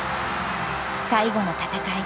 最後の戦い。